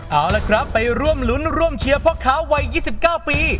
เอาละครับไปร่วมลุ้นร่วมเชียร์พ่อค้าวัย๒๙ปี